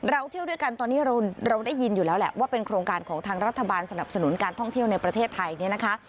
เที่ยวด้วยกันตอนนี้เราได้ยินอยู่แล้วแหละว่าเป็นโครงการของทางรัฐบาลสนับสนุนการท่องเที่ยวในประเทศไทยเนี่ยนะคะ